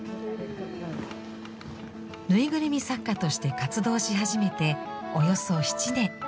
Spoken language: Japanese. ぬいぐるみ作家として活動し始めておよそ７年。